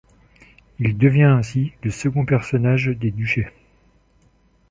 Il devient ainsi le second personnage des Duchés.